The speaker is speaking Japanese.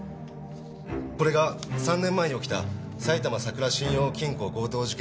これが３年前に起きた埼玉さくら信用金庫強盗事件の資料です。